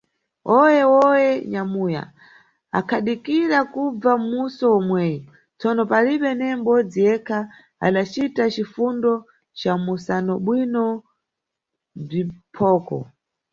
Hoye – hoye nyamuya akhadikira kubva mʼmuso omweyu, tsono palibe neye mʼbodzi yekha adacita cifundo ca mʼmusanobwino bziphoko.